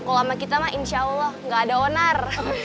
kalau sama kita mah insya allah nggak ada onar